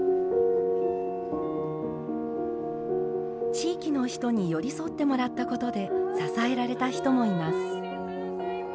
地域の人に寄り添ってもらったことで支えられた人もいます。